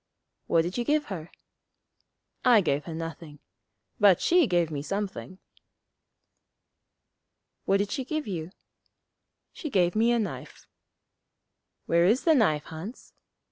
'What did you give her?' 'I gave her nothing. But she gave me something.' 'What did she give you?' 'She gave me a knife.' 'Where is the knife, Hans?'